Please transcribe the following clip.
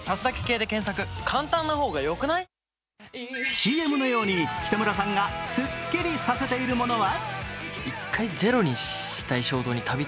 ＣＭのように北村さんがすっきりさせているものは？